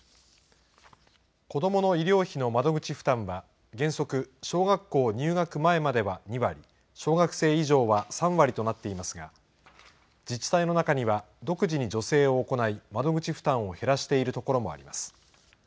子どもの医療費の窓口負担は、原則、小学校入学前までは２割、小学生以上は３割となっていますが、自治体の中には、独自に助成を行い、窓口負担を減らしているところもあります。